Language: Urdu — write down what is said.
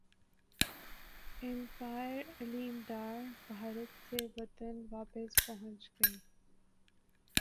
ایمپائر علیم ڈار بھارت سے وطن واپس پہنچ گئے